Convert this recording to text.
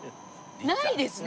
ないですね。